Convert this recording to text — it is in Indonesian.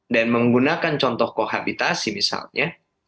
dan menggunakan contoh kohabitasi misalnya